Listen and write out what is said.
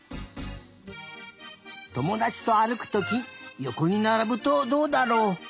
ともだちとあるくときよこにならぶとどうだろう。